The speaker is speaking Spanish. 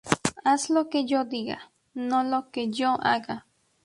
Haz lo que yo diga, no lo que yo haga